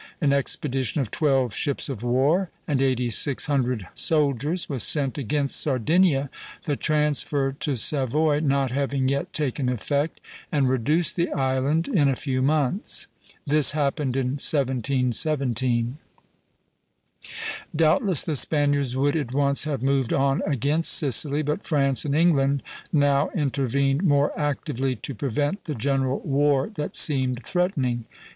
An expedition of twelve ships of war and eighty six hundred soldiers was sent against Sardinia, the transfer to Savoy not having yet taken effect, and reduced the island in a few months. This happened in 1717. Doubtless the Spaniards would at once have moved on against Sicily; but France and England now intervened more actively to prevent the general war that seemed threatening.